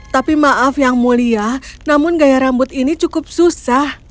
tapi maaf yang mulia namun gaya rambut ini cukup susah